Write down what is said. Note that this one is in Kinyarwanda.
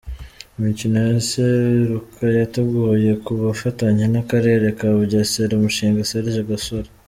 mikino ya Seruka yateguwe ku bufatanye n’akarere ka Bugesera, umushinga Serge Gasore